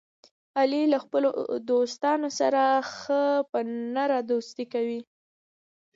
علي له خپلو دوستانو سره ښه په نره دوستي کوي.